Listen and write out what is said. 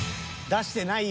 ［出してない？］